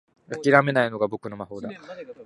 あきらめないのが俺の魔法だ